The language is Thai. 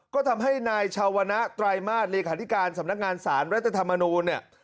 ก็ทำให้นายชาวณะไตรมาสเลขาธิการสำนักงานสารรัฐธรรมนูลเนี่ย